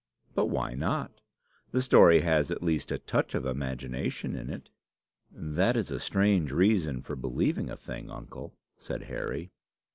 But why not? The story has at least a touch of imagination in it." "That is a strange reason for believing a thing, uncle," said Harry.